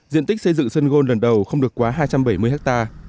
diện tích xây dựng sun gold lần đầu không được quá hai trăm bảy mươi ha